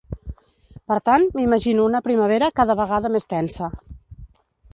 Per tant, m’imagino una primavera cada vegada més tensa.